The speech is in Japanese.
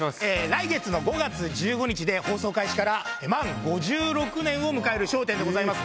来月の５月１５日で放送開始から満５６年を迎える『笑点』です。